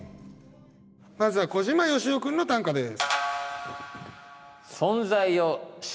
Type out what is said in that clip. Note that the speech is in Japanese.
まずは小島よしお君の短歌です。